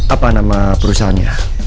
apa nama perusahaannya